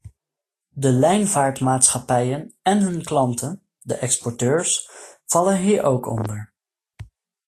De lijnvaartmaatschappijen en hun klanten, de exporteurs, vallen hier ook onder.